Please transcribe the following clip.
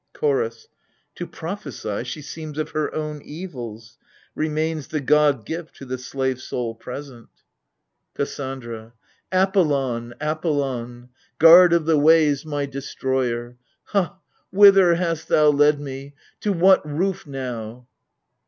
CHORDS. To prophesy she seems of her own evils : Remains the god gift to the slave soul present. 88 AGAMEMNON. KASSANDRA. Apollon, Apollon, Guard of the ways, my destroyer ! Ha, whither hast thou led me? to what roof now?